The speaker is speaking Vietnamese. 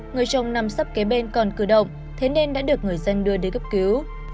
người chồng nằm sấp kế bên còn cử động thế nên đã được người dân đưa đến cấp cứu